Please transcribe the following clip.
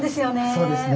そうですね。